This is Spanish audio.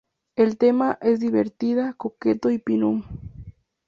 El tema es divertida, coqueto y pinup.